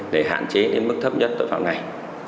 để hạn chế đến mức thấp nhất tội phạm này